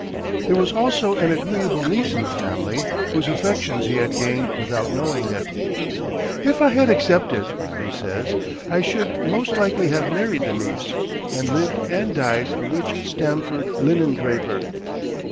There was also an agreeable niece in the family, whose affections he had gained without knowing it. "If I had accepted," he says, "I should most likely have married the niece, and lived and died a rich Stamford linen draper."